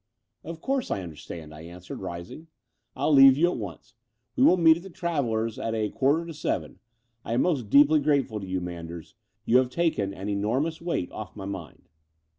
Of course, I understand," I answered, rising. I'll leave you at once. We will meet at the Travellers' at a quarter to seven. I am most deeply grateful to you, Manders; you have taken an enormous weight off my mind."